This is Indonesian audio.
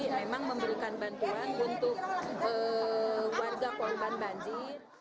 memang memberikan bantuan untuk warga korban banjir